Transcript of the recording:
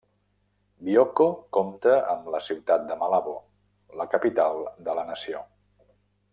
Bioko compta amb la Ciutat de Malabo, la capital de la Nació.